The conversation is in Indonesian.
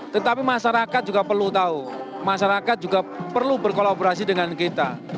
tetapi masyarakat juga perlu tahu masyarakat juga perlu berkolaborasi dengan kita